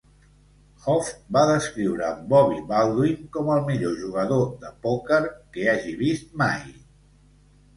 Hoff va descriure Bobby Baldwin com el millor jugador de pòquer que hagi vist mai.